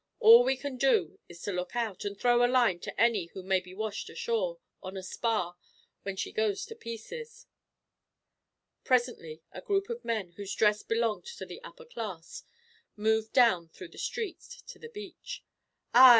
All we can do is to look out, and throw a line to any who may be washed ashore, on a spar, when she goes to pieces." Presently a group of men, whose dress belonged to the upper class, moved down through the street to the beach. "Aye!